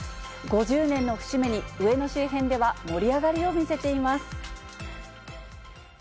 ５０年の節目に、上野周辺では盛り上がりを見せています。